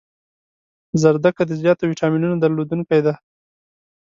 زردکه د زیاتو ویټامینونو درلودنکی ده